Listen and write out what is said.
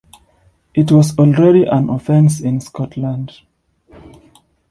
It was already an offence in Scotland.